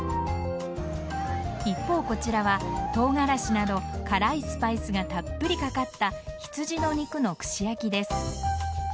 一方、こちらはトウガラシなど辛いスパイスがたっぷりかかった羊の肉の串焼きです。